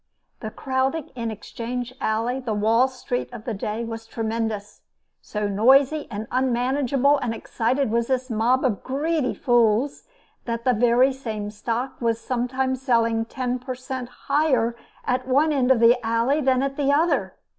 The crowding in Exchange Alley, the Wall street of the day, was tremendous. So noisy, and unmanageable and excited was this mob of greedy fools, that the very same stock was sometimes selling ten per cent. higher at one end of the Alley than at the other.